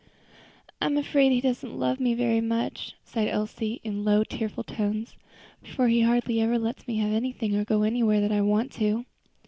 "I'm afraid he doesn't love me much," sighed Elsie in low, tearful tones, "for he hardly ever lets me have anything, or go anywhere that I want to."